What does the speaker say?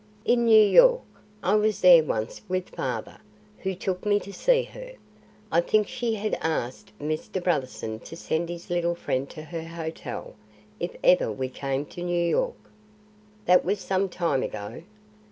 "In New York. I was there once with father, who took me to see her. I think she had asked Mr. Brotherson to send his little friend to her hotel if ever we came to New York." "That was some time ago?"